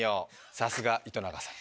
さすが糸永さん